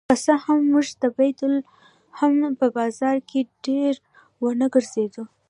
که څه هم موږ د بیت لحم په بازار کې ډېر ونه ګرځېدو.